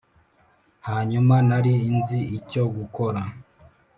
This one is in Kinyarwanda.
hanyuma, nari nzi icyo gukora.